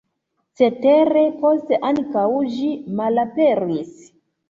Cetere poste ankaŭ ĝi malaperis.